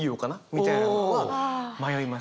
みたいなのは迷いますね。